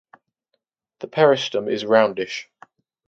The peristome is roundish.